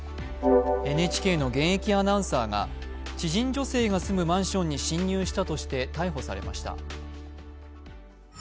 ＮＨＫの現役アナウンサーが知人女性が住むマンションに侵入したとして逮捕されました。